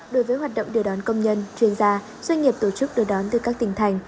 đối với hoạt động đưa đón công nhân chuyên gia doanh nghiệp tổ chức đưa đón từ các tỉnh thành